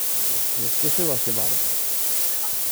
Więc nie spieszyła się bardzo.